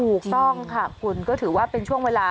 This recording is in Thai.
ถูกต้องค่ะคุณก็ถือว่าเป็นช่วงเวลา